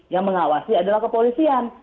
yang mengawasi adalah kepolisian